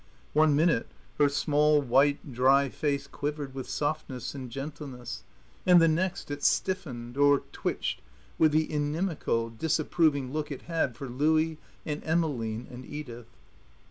One minute her small, white, dry face quivered with softness and gentleness, and the next it stiffened, or twitched with the inimical, disapproving look it had for Louie and Emmeline and Edith.